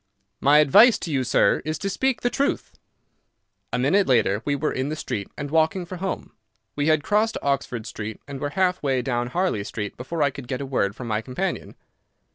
"My advice to you, sir, is to speak the truth." A minute later we were in the street and walking for home. We had crossed Oxford Street and were half way down Harley Street before I could get a word from my companion.